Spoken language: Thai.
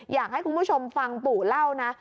อยากให้คุณผู้ชมฟังปู่เล่านะ